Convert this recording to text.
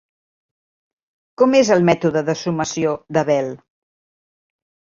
Com és el mètode de sumació d'Abel?